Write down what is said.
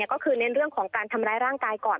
ก็คือเน้นเรื่องของการทำร้ายร่างกายก่อน